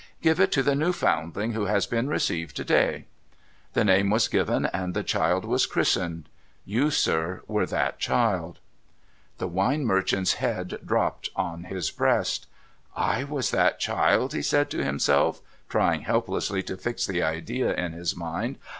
" Give it to the new foundling who has been received to day." The name was given, and the child was christened. You, sir, were that child.' The wine merchant's head dropped on his breast. ' I was that child !' he said to himself, trying helplessly to fix the idea in his mind.